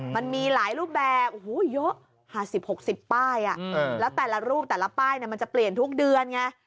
มันมีหลายรูปแบบโอ้โหเยอะ๕๐๖๐ป้ายแล้วแต่ละรูปแต่ละป้ายมันจะเปลี่ยนทุกเดือนไง